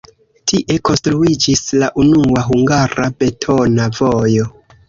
Tie konstruiĝis la unua hungara betona vojo.